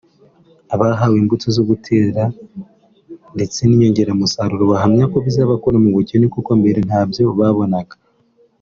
Abahawe imbuto zo gutera ndetse n’inyongeramusaruro bahamya ko bizabakura mu bukene kuko mbere ntabyo babonaga